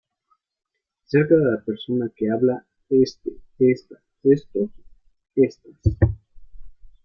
Cerca de la persona que habla: "este", "esta", "estos", "estas".